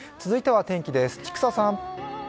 続いては天気です。